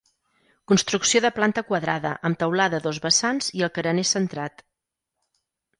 Construcció de planta quadrada amb teulada a dos vessants i el carener centrat.